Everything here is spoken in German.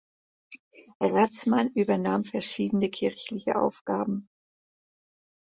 Ratzmann übernahm verschiedene kirchliche Aufgaben.